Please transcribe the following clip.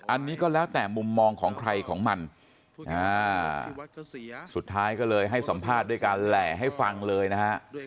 อันนี้ก็แล้วแต่มุมมองของใครของมันสุดท้ายก็เลยให้สัมภาษณ์ด้วยการแหล่ให้ฟังเลยนะฮะ